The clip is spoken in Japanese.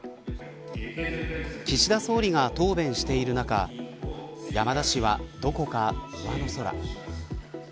岸田総理が答弁している中山田氏はどこか上の空。